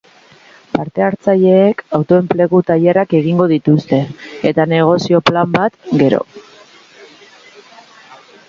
Parte-hartzaileek autoenplegu tailerrak egingo dituzte, eta negozio plan bat gero.